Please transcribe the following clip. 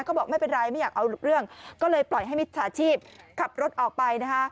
ก็บอกไม่เป็นไรไม่อยากเอาเรื่องก็เลยปล่อยให้มิจฉาชีพขับรถออกไปนะคะ